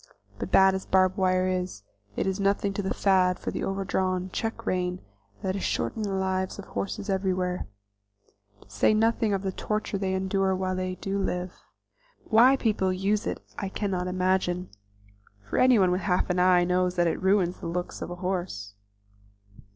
But bad as barb wire is, it is nothing to the fad for the over draw check rein that is shortening the lives of horses everywhere, to say nothing of the torture they endure while they do live. Why people use it I cannot imagine, for anyone with half an eye knows that it ruins the looks of a horse.